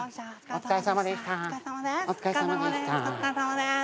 お疲れさまです。